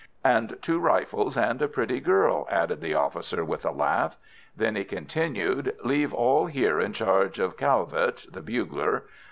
"And two rifles, and a pretty girl," added the officer with a laugh. Then he continued: "Leave all here in charge of Calvet (the bugler).